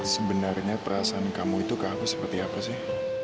sebenarnya perasaan kamu itu ke aku seperti apa sih